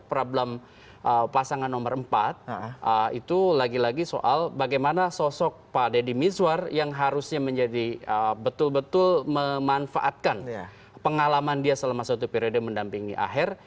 problem pasangan nomor empat itu lagi lagi soal bagaimana sosok pak deddy mizwar yang harusnya menjadi betul betul memanfaatkan pengalaman dia selama satu periode mendampingi aher